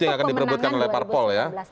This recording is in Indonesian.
itu yang akan diperbutkan oleh parpol ya